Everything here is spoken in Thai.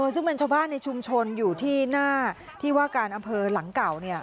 ซึ่งเป็นชาวบ้านในชุมชนอยู่ที่หน้าที่ว่าการอำเภอหลังเก่า